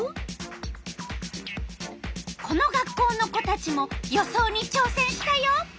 この学校の子たちも予想にちょうせんしたよ。